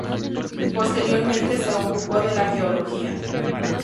Posteriormente se ocupó de la geología.